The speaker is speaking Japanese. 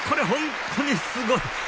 本当にすごい！